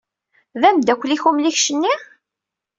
D ameddakel-ik umlikec-nni?